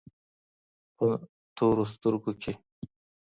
په تورو سترګو کي